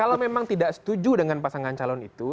kalau memang tidak setuju dengan pasangan calon itu